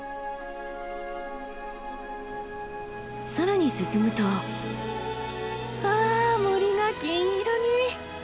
更に進むとわあ森が金色に！